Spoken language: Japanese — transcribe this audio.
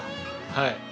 はい。